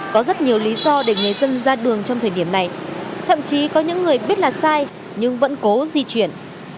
có rất nhiều lý do để người dân ra đường trong thời điểm này thậm chí có những người biết là sai nhưng vẫn cố di chuyển